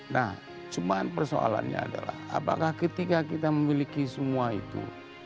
nah cuma persoalannya adalah apakah ketika kita memiliki semua itu